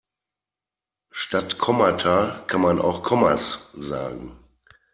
Statt Kommata kann man auch Kommas sagen.